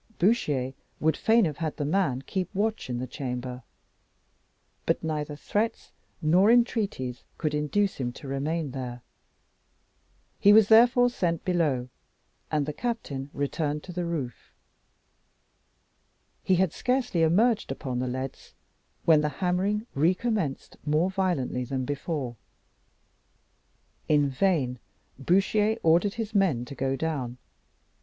Bouchier would fain have had the man keep watch in the chamber, but neither threats nor entreaties could induce him to remain there. He was therefore sent below, and the captain returned to the roof. He had scarcely emerged upon the leads when the hammering recommenced more violently than before. In vain Bouchier ordered his men to go down.